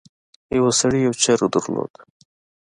یو سړي یو چرګ درلود.